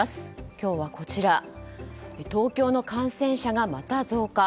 今日はこちら東京の感染者がまた増加。